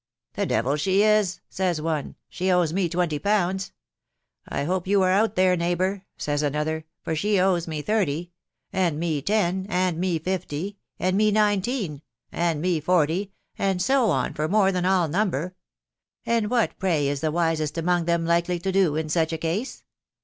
.... e The devil she is !' says one ;' she owes me twenty pounds ....'— e I hope you are out there, neighbour,' says another, ' for she owes me thirty ....' 'And me ten '—* and me fifty' — 'and me nineteen' — 'and me forty/ and soon for more than I'll number. And what, pray, is the wisest among them likely to do in such a case